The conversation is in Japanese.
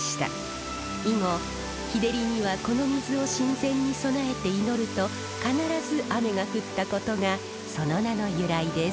以後日照りにはこの水を神前に供えて祈ると必ず雨が降ったことがその名の由来です。